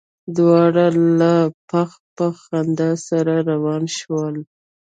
دواړه له پخ پخ خندا سره روان شول.